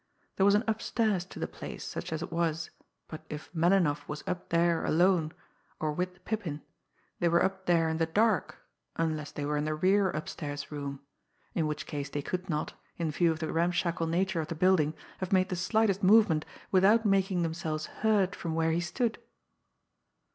There was an "upstairs" to the place, such as it was, but if Melinoff was up there alone, or with the Pippin, they were up there in the dark unless they were in the rear upstairs room; in which case they could not, in view of the ramshackle nature of the building, have made the slightest movement without making themselves heard from where he stood.